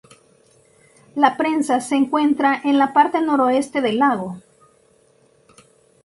La presa se encuentra en la parte noroeste del lago.